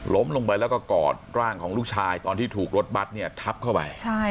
ลงไปแล้วก็กอดร่างของลูกชายตอนที่ถูกรถบัตรเนี่ยทับเข้าไป